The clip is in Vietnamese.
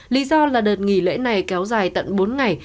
lý do là đợt nghỉ lễ này kéo dài tận bốn ngày